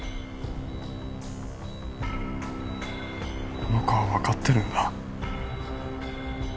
この子は分かってるんだえッ？